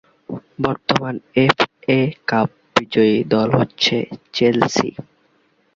বর্তমান F A cup বিজয়ী দল হচ্ছে চেলসি।